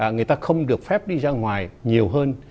người ta không được phép đi ra ngoài nhiều hơn